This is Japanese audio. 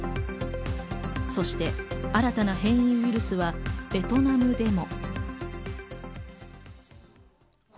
そして新たな変異ウイルスは、ベトナムでも。